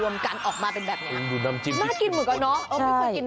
โทรไปจ้างเลย